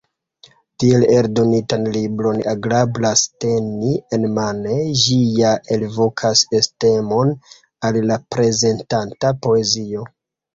Tiel eldonitan libron agrablas teni enmane, ĝi ja elvokas estimon al la prezentata poezio.